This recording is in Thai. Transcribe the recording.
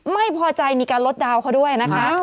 ไม่พอใจมีการลดดาวน์เขาด้วยนะคะ